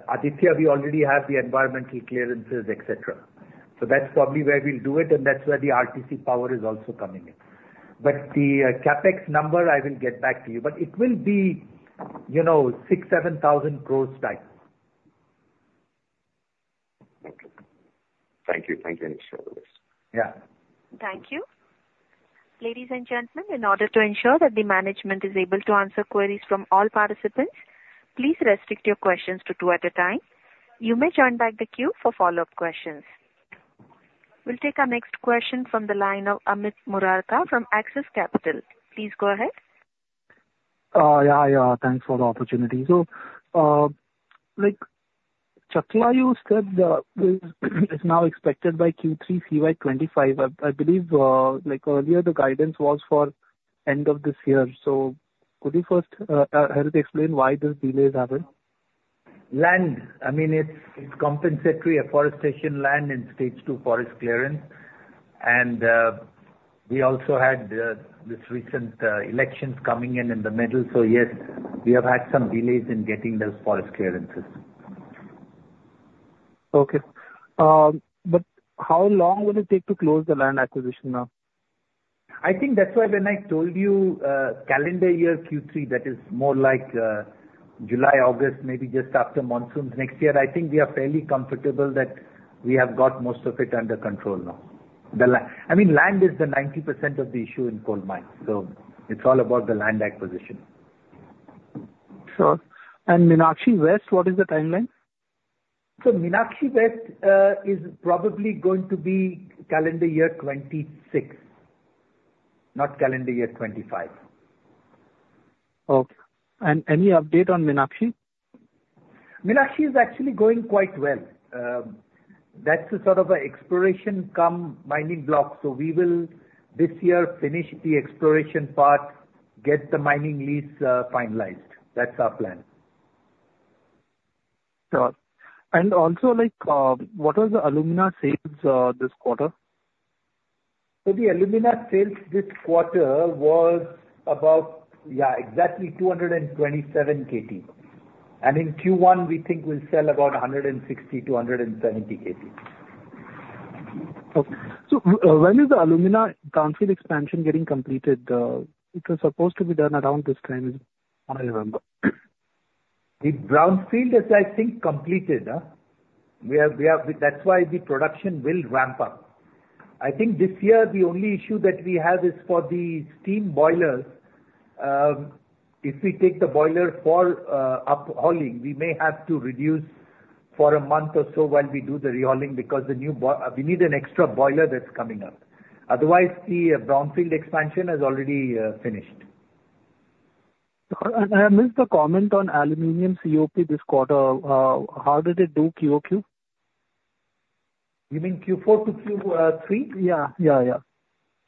Aditya, we already have the environmental clearances, et cetera. So that's probably where we'll do it, and that's where the RTC power is also coming in. But the, CapEx number, I will get back to you, but it will be, you know, 6,000-7,000 crores type. Okay. Thank you. Thank you very much for this. Yeah. Thank you. Ladies and gentlemen, in order to ensure that the management is able to answer queries from all participants, please restrict your questions to two at a time. You may join back the queue for follow-up questions. We'll take our next question from the line of Amit Murarka from Axis Capital. Please go ahead. Yeah, yeah, thanks for the opportunity. So, like Chakla said, the, is now expected by Q3 FY2025. I, I believe, like, earlier the guidance was for end of this year. So could you first, help explain why this delay is happening? Land. I mean, it's compensatory afforestation land and stage two forest clearance. And we also had this recent elections coming in, in the middle. So yes, we have had some delays in getting those forest clearances. Okay. How long will it take to close the land acquisition now? I think that's why when I told you, calendar year Q3, that is more like, July, August, maybe just after monsoons next year, I think we are fairly comfortable that we have got most of it under control now. I mean, land is the 90% of the issue in coal mines, so it's all about the land acquisition. Sure. Meenakshi West, what is the timeline? Meenakshi West is probably going to be calendar year 2026, not calendar year 2025. Okay. Any update on Meenakshi? Meenakshi is actually going quite well. That's a sort of a exploration cum mining block. So we will, this year, finish the exploration part, get the mining lease, finalized. That's our plan. Sure. And also, like, what was the Alumina sales this quarter? So the alumina sales this quarter was about, yeah, exactly 22KT. And in Q1, we think we'll sell about 160 to 170 KT. Okay. So when is the alumina brownfield expansion getting completed? It was supposed to be done around this time, what I remember. The brownfield is, I think, completed. That's why the production will ramp up. I think this year, the only issue that we have is for the steam boilers. If we take the boiler for overhauling, we may have to reduce for a month or so while we do the overhauling, because the new boiler we need an extra boiler that's coming up. Otherwise, the brownfield expansion is already finished. I missed the comment on aluminum COP this quarter. How did it do QoQ? You mean Q4 to Q3? Yeah. Yeah, yeah.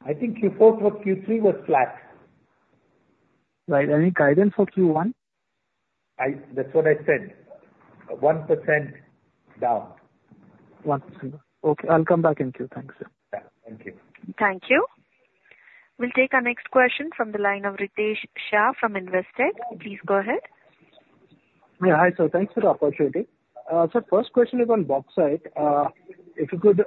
I think Q4 to Q3 was flat. Right. Any guidance for Q1? That's what I said. 1% down. 1%. Okay, I'll come back and check. Thanks. Yeah. Thank you. Thank you. We'll take our next question from the line of Ritesh Shah from Investec. Please go ahead. Yeah. Hi, sir. Thanks for the opportunity. First question is on bauxite. If you could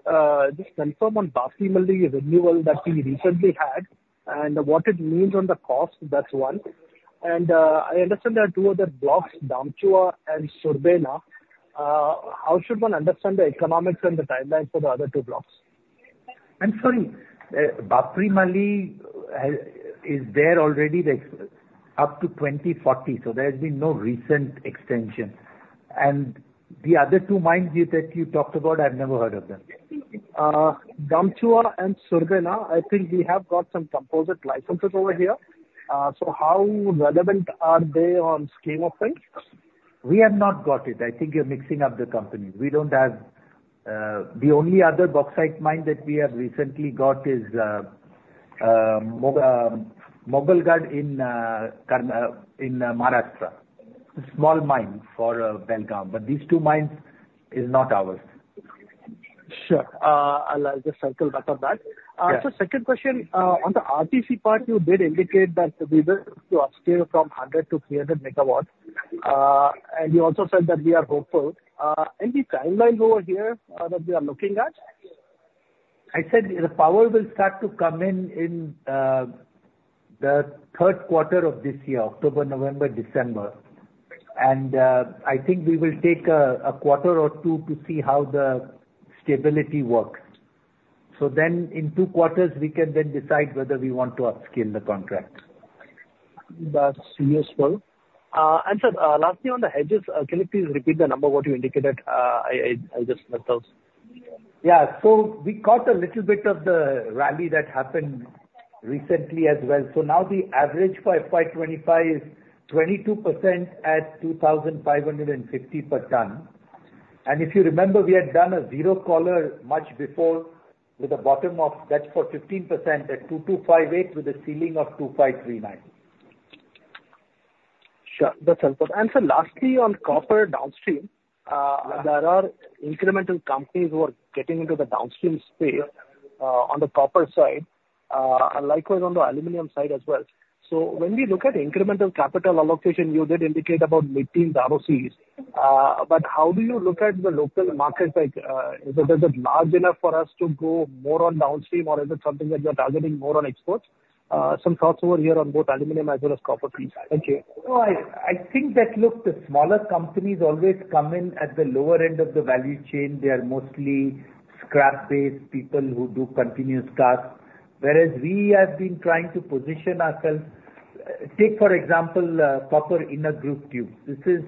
just confirm on Baphlimali renewal that we recently had, and what it means on the cost, that's one. I understand there are two other blocks, [Damchua] and [Surbeña]. How should one understand the economics and the timelines for the other two blocks? I'm sorry, Baphlimali is already extended up to 2040, so there has been no recent extension. And the other two mines that you talked about, I've never heard of them. Damchua and Surbeña, I think we have got some composite licenses over here. How relevant are they on scheme of things? We have not got it. I think you're mixing up the companies. We don't have the only other bauxite mine that we have recently got is Mogalgad in Maharashtra. A small mine for Belgaum, but these two mines is not ours. Sure. I'll just circle back on that. Yeah. So, second question, on the RTC part, you did indicate that we will to upscale from 100 to 300MW. And you also said that we are hopeful. Any timelines over here, that we are looking at? I said the power will start to come in in the Q3 of this year, October, November, December. And I think we will take a quarter or two to see how the stability works. So then in two quarters, we can then decide whether we want to upscale the contract. That's useful. And sir, lastly, on the hedges, can you please repeat the number what you indicated? I just missed those. Yeah. So we caught a little bit of the rally that happened recently as well. So now the average for FY 2025 is 22% at $2,500 per tonne. And if you remember, we had done a zero collar much before, with a bottom of, that's for 15% at $2,258, with a ceiling of $2,539. Sure. That's helpful. Sir, lastly, on copper downstream, Yeah. There are incremental companies who are getting into the downstream space, on the copper side, and likewise on the aluminum side as well. So when we look at incremental capital allocation, you did indicate about mid-teen ROCEs. But how do you look at the local markets like, is it, is it large enough for us to go more on downstream, or is it something that you're targeting more on exports? Some thoughts over here on both aluminum as well as copper, please. Thank you. No, I think that, look, the smaller companies always come in at the lower end of the value chain. They are mostly scrap-based people who do continuous cast. Whereas we have been trying to position ourselves... Take, for example, copper inner groove tubes. This is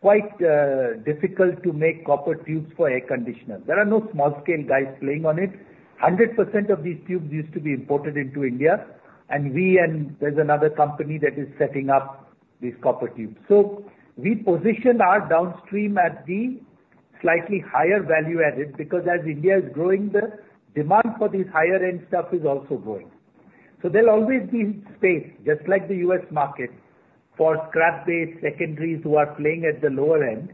quite difficult to make copper tubes for air conditioners. There are no small-scale guys playing on it. 100% of these tubes used to be imported into India, and we and there's another company that is setting up these copper tubes. So we position our downstream at the slightly higher value added, because as India is growing, the demand for these higher end stuff is also growing. So there'll always be space, just like the U.S. market, for scrap-based secondaries who are playing at the lower end,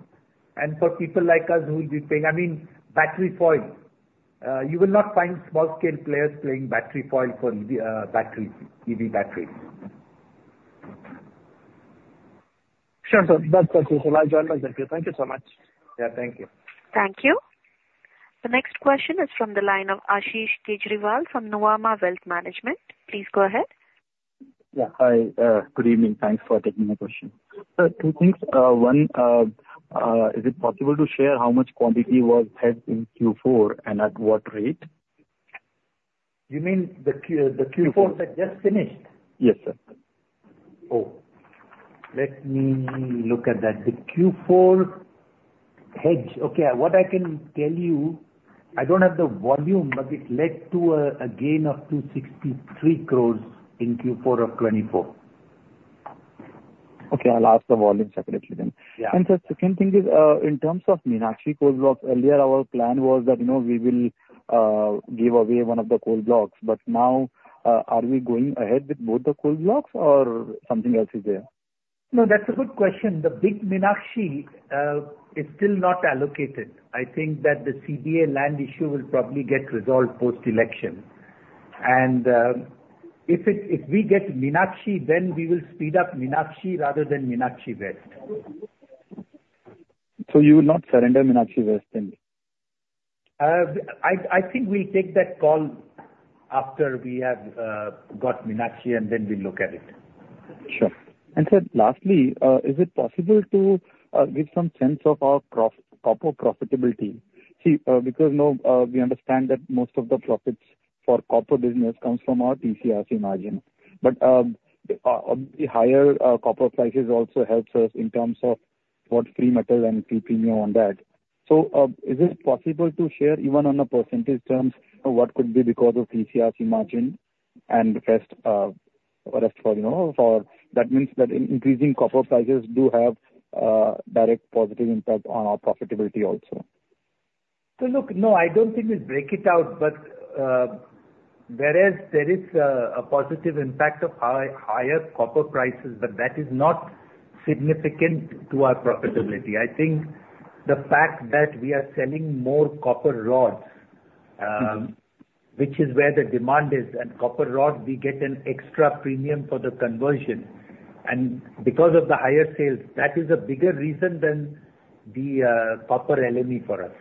and for people like us who will be paying... I mean, battery foil, you will not find small-scale players playing battery foil for EV batteries, EV batteries. Sure, sir. That's okay. So I'll join those. Thank you so much. Yeah, thank you. Thank you. The next question is from the line of Ashish Kejriwal from Nuvama Wealth Management. Please go ahead. Yeah. Hi, good evening. Thanks for taking my question. Sir, two things. One, is it possible to share how much quantity was hedged in Q4, and at what rate? You mean the Q, the Q4 that just finished? Yes, sir. Oh, let me look at that. The Q4 hedge. Okay, what I can tell you, I don't have the volume, but it led to a gain of 263 crore in Q4 of 2024. Okay, I'll ask the volume separately then. Yeah. The second thing is, in terms of Meenakshi coal blocks, earlier our plan was that, you know, we will give away one of the coal blocks, but now, are we going ahead with both the coal blocks or something else is there? No, that's a good question. The big Meenakshi is still not allocated. I think that the CBA land issue will probably get resolved post-election. And, if we get Meenakshi, then we will speed up Meenakshi rather than Meenakshi West. You will not surrender Meenakshi West then? I think we'll take that call after we have got Meenakshi, and then we look at it. Sure. Sir, lastly, is it possible to give some sense of our prof, copper profitability? See, because now we understand that most of the profits for copper business comes from our TCRC margin, but the higher copper prices also helps us in terms of what free metal and the premium on that. Is it possible to share, even on a percentage terms, what could be because of TCRC margin and the rest, rest for, you know, for... That means that in increasing copper prices do have direct positive impact on our profitability also. So look, no, I don't think we break it out, but, whereas there is a positive impact of high, higher copper prices, but that is not significant to our profitability. I think the fact that we are selling more copper rods, which is where the demand is, and copper rods, we get an extra premium for the conversion. And because of the higher sales, that is a bigger reason than the copper LME for us.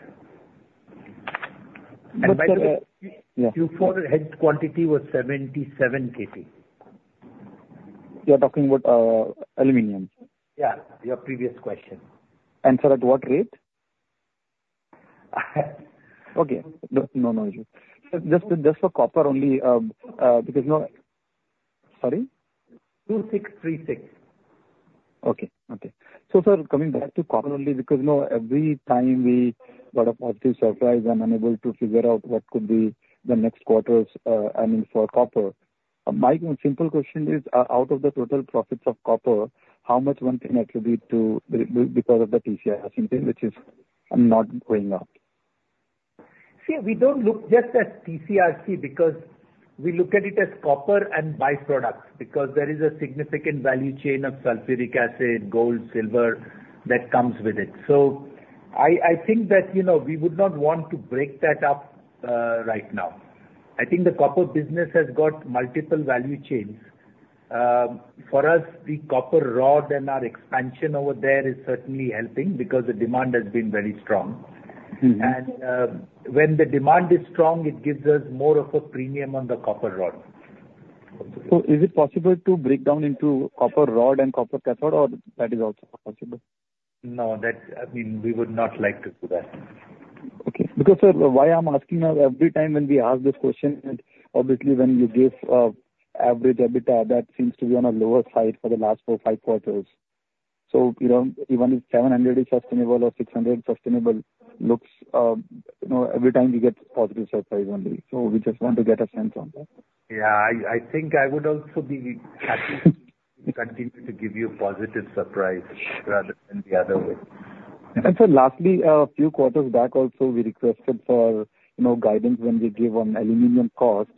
But, yeah- Q4 hedge quantity was 77KT. You are talking about aluminium? Yeah, your previous question. At what rate? Okay, no, no issue. Just, just for copper only, because... Sorry? 2636. Okay. Okay. So sir, coming back to copper only, because, you know, every time we got a positive surprise, I'm unable to figure out what could be the next quarters, I mean, for copper. My simple question is, out of the total profits of copper, how much one can attribute to the, because of the TC/RC, which is, not going up? See, we don't look just at TCRC because we look at it as copper and byproducts, because there is a significant value chain of sulfuric acid, gold, silver, that comes with it. So I, I think that, you know, we would not want to break that up right now. I think the copper business has got multiple value chains. For us, the copper rod and our expansion over there is certainly helping because the demand has been very strong. Mm-hmm. When the demand is strong, it gives us more of a premium on the copper rod. Is it possible to break down into copper rod and copper cathode, or that is also not possible? No, that, I mean, we would not like to do that. Okay. Because, sir, why I'm asking now, every time when we ask this question, obviously, when you give average EBITDA, that seems to be on a lower side for the last four, five quarters. So, you know, even if 700 is sustainable or 600 sustainable, looks, you know, every time we get positive surprise only. So we just want to get a sense on that. Yeah, I think I would also be happy to continue to give you positive surprise rather than the other way. Sir, lastly, a few quarters back also, we requested for, you know, guidance when we give on aluminium cost.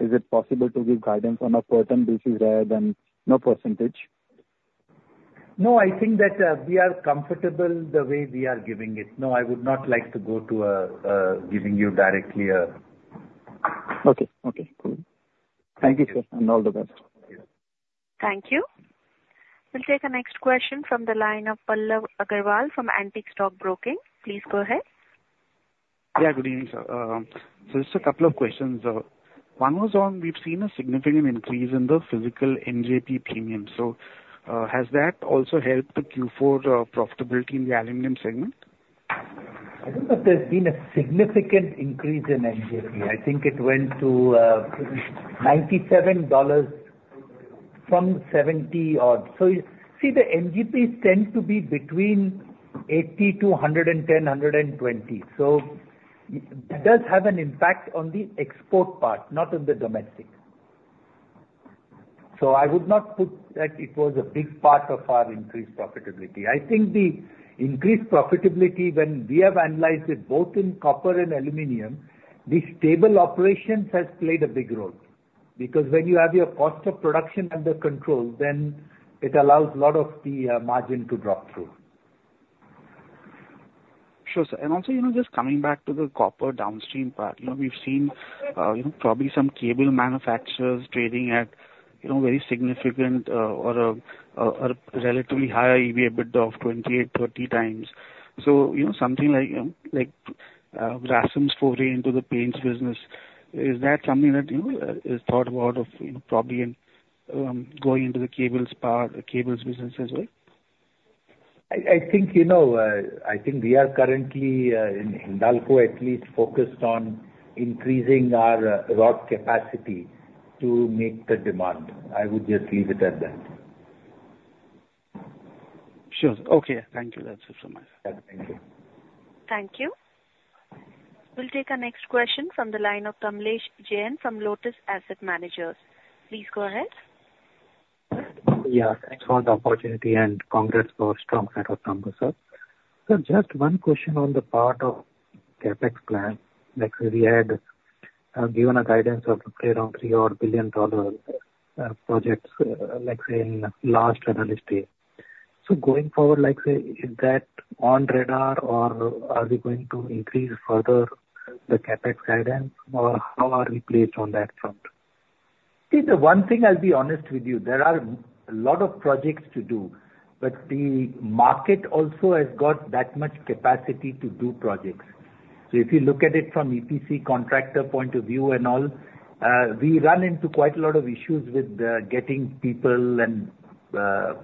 Is it possible to give guidance on a per ton basis rather than no percentage? No, I think that, we are comfortable the way we are giving it. No, I would not like to go to a, giving you directly a- Okay. Okay, cool. Thank you, sir, and all the best. Thank you. We'll take the next question from the line of Pallav Agarwal from Antique Stock Broking. Please go ahead. Yeah, good evening, sir. So just a couple of questions. One was on, we've seen a significant increase in the physical MJP premium. So, has that also helped the Q4 profitability in the aluminum segment? I don't know if there's been a significant increase in MJP. I think it went to $97 from70. So you see, the MJPs tend to be between $80-$110, $120. So it does have an impact on the export part, not on the domestic. So I would not put that it was a big part of our increased profitability. I think the increased profitability, when we have analyzed it, both in copper and aluminum, the stable operations has played a big role. Because when you have your cost of production under control, then it allows a lot of the margin to drop through. Sure, sir. And also, you know, just coming back to the copper downstream part, you know, we've seen, you know, probably some cable manufacturers trading at, you know, very significant or relatively high EBITDA of 28-30x. So, you know, something like, RIL's foray into the paints business, is that something that, you know, is thought of, you know, probably going into the power cables business as well?... I, I think, you know, I think we are currently, in Hindalco, at least focused on increasing our rock capacity to meet the demand. I would just leave it at that. Sure. Okay. Thank you. That's it so much. Yeah. Thank you. Thank you. We'll take our next question from the line of Kamlesh Jain from Lotus Asset Managers. Please go ahead. Yeah, thanks for the opportunity, and congrats for strong set of numbers, sir. So just one question on the part of CapEx plan. Like, we had given a guidance of around $3-odd billion projects, let's say in last analyst day. So going forward, like, say, is that on radar, or are we going to increase further the CapEx guidance, or how are we placed on that front? See, the one thing I'll be honest with you, there are a lot of projects to do, but the market also has got that much capacity to do projects. So if you look at it from EPC contractor point of view and all, we run into quite a lot of issues with getting people and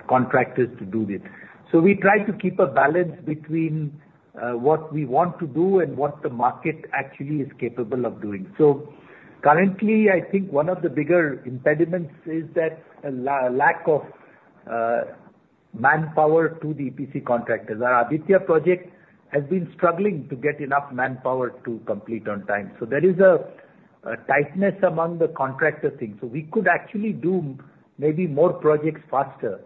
contractors to do this. So we try to keep a balance between what we want to do and what the market actually is capable of doing. So currently, I think one of the bigger impediments is that a lack of manpower to the EPC contractors. Our Aditya project has been struggling to get enough manpower to complete on time. So there is a tightness among the contractor thing. We could actually do maybe more projects faster,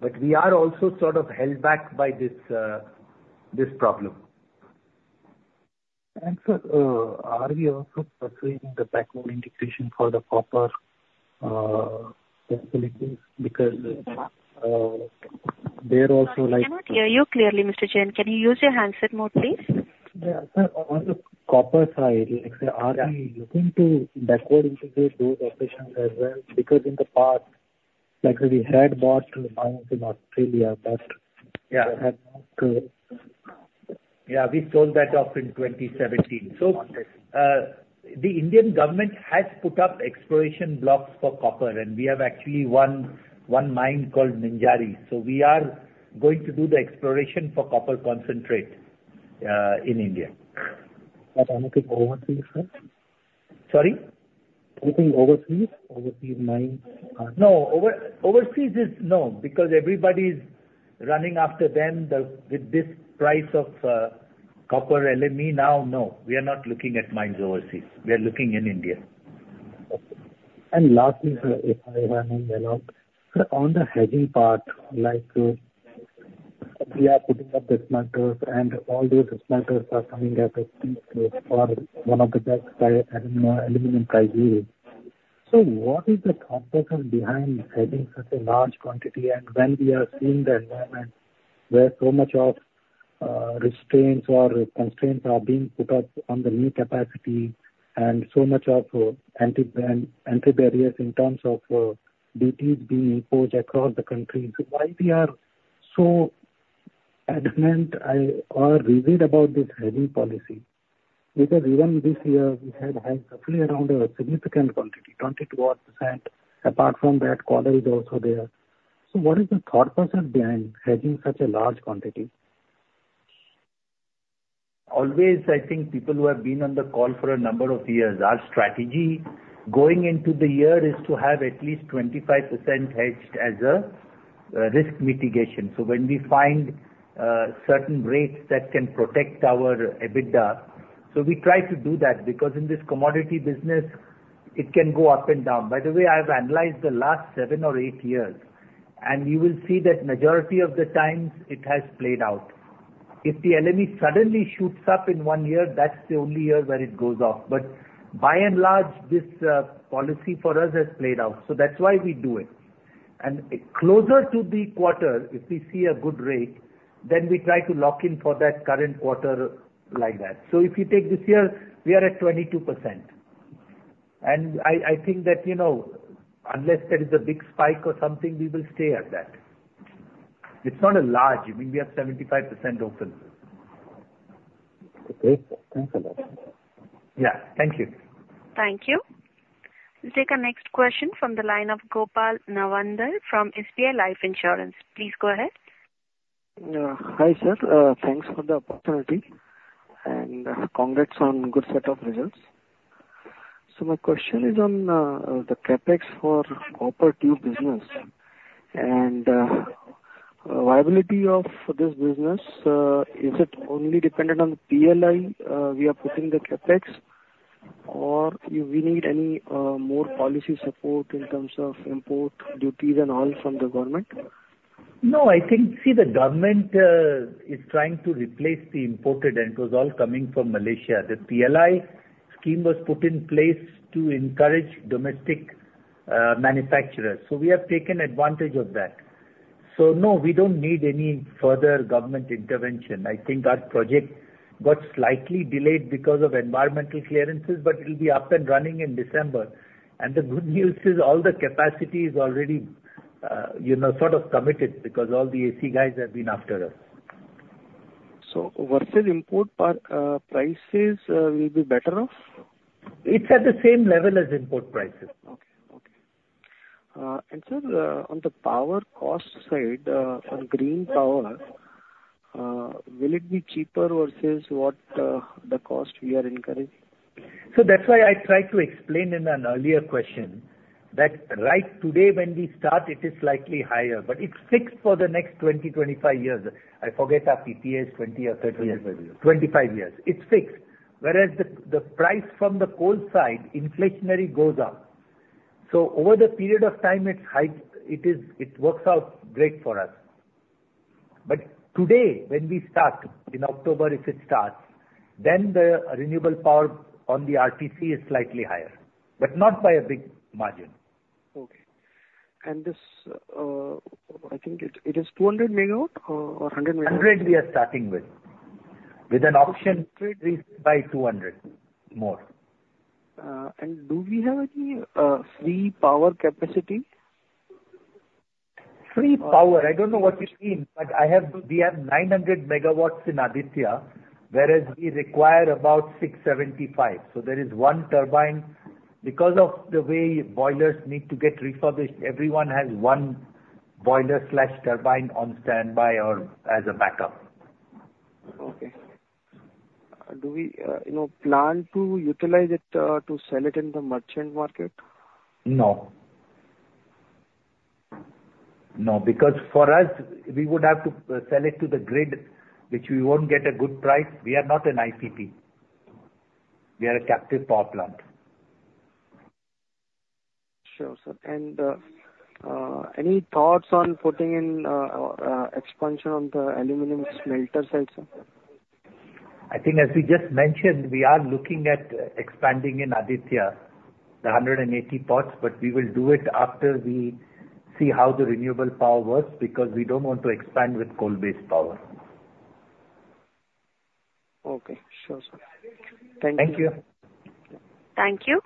but we are also sort of held back by this, this problem. Sir, are we also pursuing the backward integration for the copper facilities? Because, there also like- We cannot hear you clearly, Mr. Jain. Can you use your handset mode, please? Yeah, sir, on the copper side, like, say, are we looking to backward integrate those operations as well? Because in the past, like we had bought mines in Australia, but- Yeah. We had to- Yeah, we sold that off in 2017. Okay. The Indian government has put up exploration blocks for copper, and we have actually one mine called Mincheri. We are going to do the exploration for copper concentrate in India. Anything overseas, sir? Sorry? Anything overseas, overseas mine? No. Overseas is no, because everybody's running after them with this price of copper LME now. No, we are not looking at mines overseas. We are looking in India. Okay. And lastly, sir, if I may run out. Sir, on the hedging part, like, we are putting up the smelters and all these smelters are coming at a peak or one of the best, you know, aluminum price here. So what is the thought process behind hedging such a large quantity, and when we are seeing the environment where so much of restraints or constraints are being put up on the new capacity, and so much of anti-ban, anti-barriers in terms of duties being imposed across the country, so why we are so adamant or rigid about this hedging policy? Because even this year, we had hedged roughly around a significant quantity, 22 odd percent. Apart from that, quarter is also there. So what is the thought process behind hedging such a large quantity? Always, I think people who have been on the call for a number of years, our strategy going into the year is to have at least 25% hedged as a risk mitigation. So when we find certain rates that can protect our EBITDA, so we try to do that, because in this commodity business, it can go up and down. By the way, I've analyzed the last seven or eight years, and you will see that majority of the times it has played out. If the LME suddenly shoots up in one year, that's the only year where it goes off. But by and large, this policy for us has played out. So that's why we do it. And closer to the quarter, if we see a good rate, then we try to lock in for that current quarter like that. So if you take this year, we are at 22%. And I think that, you know, unless there is a big spike or something, we will stay at that. It's not a large, I mean, we have 75% open. Okay. Thanks a lot. Yeah. Thank you. Thank you. We'll take our next question from the line of Gopal Nawandhar from SBI Life Insurance. Please go ahead. Hi, sir. Thanks for the opportunity, and congrats on good set of results. So my question is on the CapEx for Copper Tube business and viability of this business. Is it only dependent on the PLI we are putting the CapEx, or we need any more policy support in terms of import duties and all from the government? No, I think, see, the government is trying to replace the imported, and it was all coming from Malaysia. The PLI scheme was put in place to encourage domestic manufacturers, so we have taken advantage of that. So no, we don't need any further government intervention. I think our project got slightly delayed because of environmental clearances, but it'll be up and running in December. The good news is all the capacity is already, you know, sort of committed, because all the AC guys have been after us. Versus import per prices, will be better off? It's at the same level as import prices.... And sir, on the power cost side, on green power, will it be cheaper versus what, the cost we are incurring? So that's why I tried to explain in an earlier question, that right today when we start, it is slightly higher, but it's fixed for the next 20, 25 years. I forget our PPA is 20 or 30 years. 25 years. 25 years. It's fixed, whereas the price from the coal side, inflationary goes up. So over the period of time, it's high, it works out great for us. But today, when we start, in October if it starts, then the renewable power on the RTC is slightly higher, but not by a big margin. Okay. This, I think it, it is 200MW or 100MW? 100 we are starting with, with an option to increase by 200 more. Do we have any free power capacity? Free power, I don't know what you mean, but I have, we have 900MW in Aditya, whereas we require about 675. So there is one turbine. Because of the way boilers need to get refurbished, everyone has one boiler/turbine on standby or as a backup. Okay. Do we, you know, plan to utilize it to sell it in the merchant market? No. No, because for us, we would have to sell it to the grid, which we won't get a good price. We are not an IPP. We are a captive power plant. Sure, sir. Any thoughts on putting in expansion on the aluminum smelter side, sir? I think as we just mentioned, we are looking at expanding in Aditya, the 180 pots, but we will do it after we see how the renewable power works, because we don't want to expand with coal-based power. Okay. Sure, sir. Thank you. Thank you. Thank you.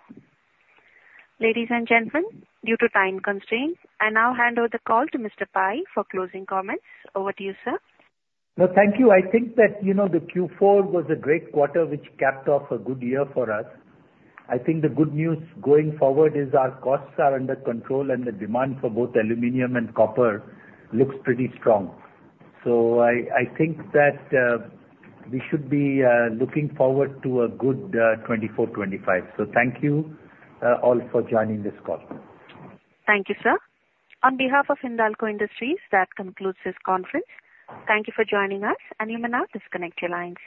Ladies and gentlemen, due to time constraints, I now hand over the call to Mr. Pai for closing comments. Over to you, sir. No, thank you. I think that, you know, Q4 was a great quarter, which capped off a good year for us. I think the good news going forward is our costs are under control, and the demand for both aluminum and copper looks pretty strong. So I, I think that, we should be, looking forward to a good, 2024, 2025. So thank you, all for joining this call. Thank you, sir. On behalf of Hindalco Industries, that concludes this conference. Thank you for joining us, and you may now disconnect your lines.